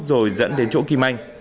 rồi dẫn đến chỗ kim anh